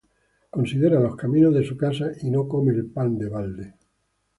Considera los caminos de su casa, Y no come el pan de balde.